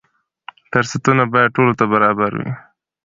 فرصتونه باید ټولو ته برابر وي.